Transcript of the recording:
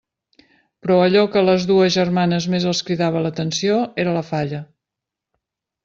Però allò que a les dues germanes més els cridava l'atenció era la falla.